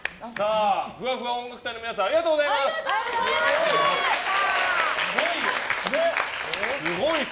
ふわふわ音楽隊の皆さんありがとうございます。